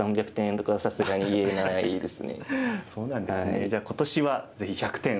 じゃあ今年はぜひ１００点を。